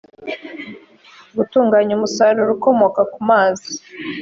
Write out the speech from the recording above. gutunganya umusaruro ukomoka ku mazi